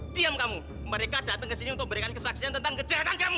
diam kamu mereka datang ke sini untuk memberikan kesaksian tentang kejahatan kamu